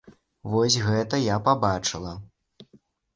Вось гэта я пабачыла.